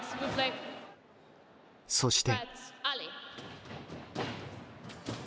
そして。